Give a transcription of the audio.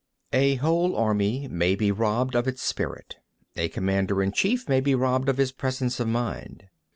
27. A whole army may be robbed of its spirit; a commander in chief may be robbed of his presence of mind.